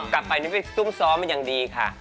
กลับมารับไปทรุ่มซ้อมมาอย่างดีครับ